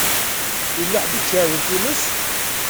Yella ḥedd i iceɛlen times.